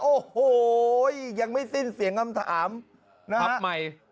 โอ้โหยยังไม่สิ้นเสียงคำถาม